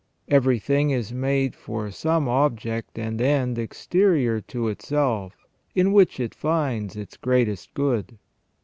Every thing is made for some object and end exterior to itself, in which it finds its greatest good.